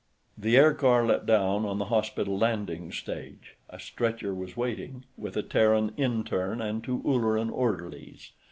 The aircar let down on the hospital landing stage. A stretcher was waiting, with a Terran interne and two Ulleran orderlies.